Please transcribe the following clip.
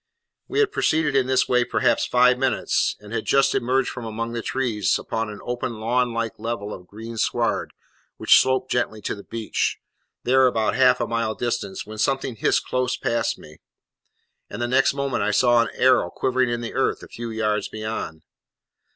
We had proceeded in this way perhaps five minutes, and had just emerged from among the trees upon an open lawn like level of green sward which sloped gently to the beach, there about half a mile distant, when something hissed close past me; and the next moment I saw an arrow quivering in the earth, a few yards beyond.